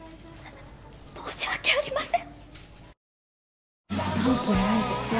申し訳ありません！